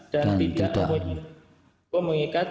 dan tidak memiliki hukum mengikat